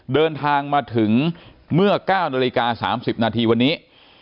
เดินทางมาถึงเมื่อ๙นาฬิกา๓๐นาทีวันนี้